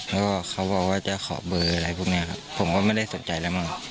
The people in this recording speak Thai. แล้วก็เขาบอกว่าจะขอเบอร์อะไรพวกนี้ครับผมก็ไม่ได้สนใจอะไรมั้ง